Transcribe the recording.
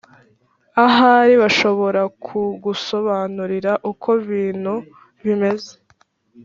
Ahari bashobora kugusobanurira uko ibintu bimeze